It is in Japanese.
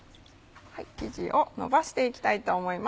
生地をのばしていきたいと思います。